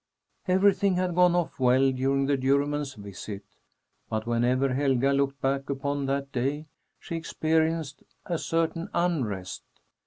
Everything had gone off well during the Juryman's visit. But whenever Helga looked back upon that day, she experienced a certain unrest.